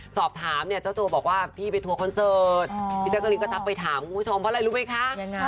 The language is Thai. สอบถามเนี่ยเจ้าตัวบอกว่าพี่ไปทัวร์คอนเสิร์ตพี่แจ๊กกะลินก็ทักไปถามคุณผู้ชมเพราะอะไรรู้ไหมคะ